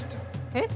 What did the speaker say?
えっ！